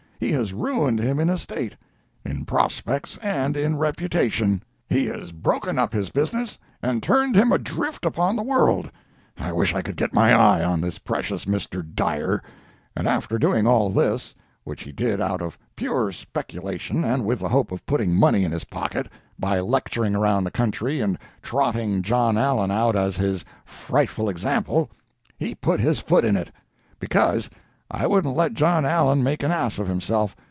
He has ruined him in estate, in prospects and in reputation. He has broken up his business and turned him adrift upon the world. I wish I could get my eye on this precious Mr. Dyer! And after doing all this—which he did out of pure speculation, and with the hope of putting money in his pocket, by lecturing around the country and trotting John Allen out as his "frightful example"—he put his foot in it. Because, I wouldn't let John Allen make an ass of himself.